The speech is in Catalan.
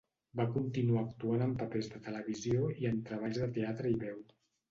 Va continuar actuant en papers de televisió i en treballs de teatre i veu.